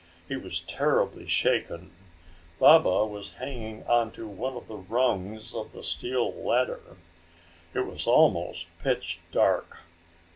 He was terribly shaken. Baba was hanging onto one of the rungs of the steel ladder. It was almost pitch dark.